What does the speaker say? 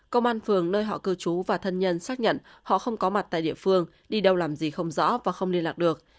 công an phường nơi họ cư trú và thân nhân xác nhận họ không có mặt tại địa phương đi đâu làm gì không rõ và không liên lạc được